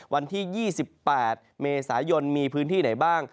วันที่๒๘เมษายนมีพื้นที่ไหนบ้าง